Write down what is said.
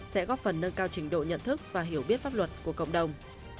sẽ góp phần nâng cao trình độ nhận thức và hiểu biết pháp luật của cộng đồng